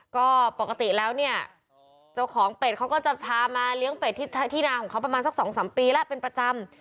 ก็ปกติแล้วเนี่ยเจ้าของเป็ดเขาก็จะพามาเลี้ยงเป็ดที่นาของเขาประมาณสัก๒๓ปีแล้วเป็นประจำ